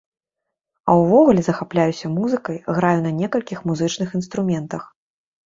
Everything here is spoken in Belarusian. А ўвогуле, захапляюся музыкай, граю на некалькіх музычных інструментах.